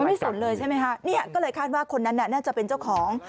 ไม่สนเลยใช่ไหมคะเนี่ยก็เลยคาดว่าคนนั้นน่ะน่าจะเป็นเจ้าของ